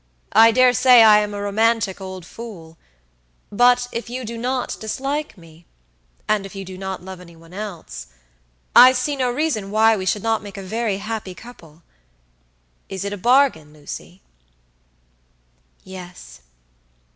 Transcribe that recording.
I dare say I am a romantic old fool; but if you do not dislike me, and if you do not love any one else, I see no reason why we should not make a very happy couple. Is it a bargain, Lucy?" "Yes."